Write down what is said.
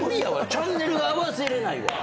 チャンネルが合わせれないわ。